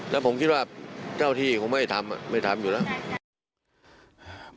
แล้วผมคิดว่าเจ้าที่คงไม่ทำไม่ทำอยู่แล้ว